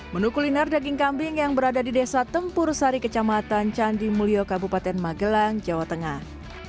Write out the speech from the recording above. menu kuliner daging kambing yang berada di desa tempur sari kecamatan candimulyo kabupaten magelang jawa tengah